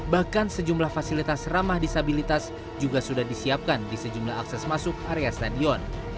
bahkan sejumlah fasilitas ramah disabilitas juga sudah disiapkan di sejumlah akses masuk area stadion